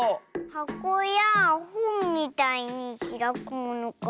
はこやほんみたいにひらくものか。